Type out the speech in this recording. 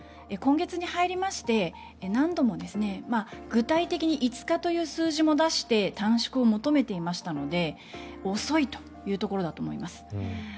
今月に入りまして、何度も具体的に５日という数字も出して短縮を求めていましたので遅いというところだと思います。